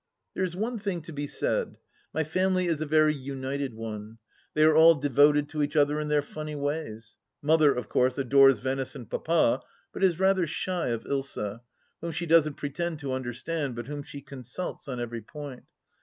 There is one thing to be said : my family is a very united one. They are all devoted to each other in their funny ways. Mother, of course, adores Venice and Papa, but is rather shy of Ilsa, whom she doesn't pretend to understand, but whom she consults on every point.